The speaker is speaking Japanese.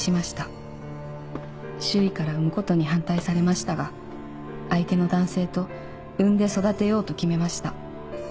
「周囲から産むことに反対されましたが相手の男性と産んで育てようと決めました」